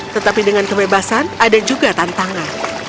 tetapi dengan kebebasan ada juga tantangan